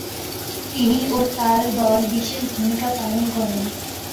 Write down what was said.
তিনি ও তার দল বিশেষ ভূমিকা পালন করেন।